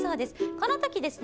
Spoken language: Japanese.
このときですね